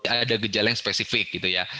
ada gejala yang spesifik gitu ya